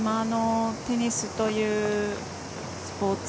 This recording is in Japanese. テニスというスポーツ。